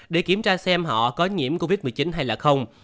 để kiểm tra xem họ có nhiễm covid một mươi chín hay là không